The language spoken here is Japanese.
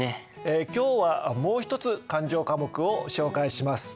今日はもう一つ勘定科目を紹介します。